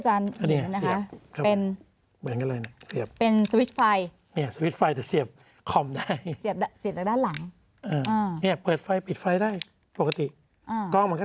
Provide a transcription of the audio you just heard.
อันนั้นที่อาจารย์เห็นนะคะ